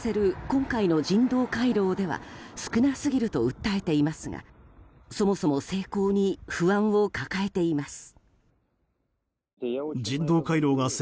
今回の人道回廊では少なすぎると訴えていますがそもそも成功に不安を抱えています。